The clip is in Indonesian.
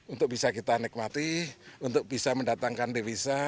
untuk bisa kita nikmati untuk bisa mendatangkan devisa